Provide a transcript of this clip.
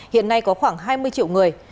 hiện nay có khoảng hai mươi triệu người